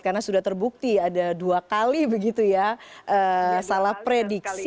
karena sudah terbukti ada dua kali begitu ya salah prediksi